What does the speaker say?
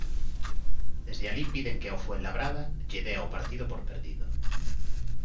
Desde alí piden que ao Fuenlabrada lle dea o partido por perdido.